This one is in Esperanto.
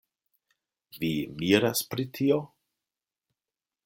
Vi miras pri tio?